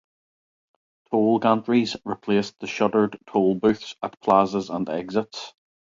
Toll gantries replaced the shuttered toll booths at plazas and exits.